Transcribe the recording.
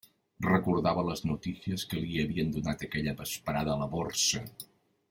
Recordava les notícies que li havien donat aquella vesprada a la Borsa.